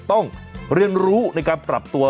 ต้องเรียนรู้ในการปรับตัว